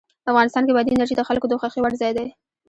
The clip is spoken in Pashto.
افغانستان کې بادي انرژي د خلکو د خوښې وړ ځای دی.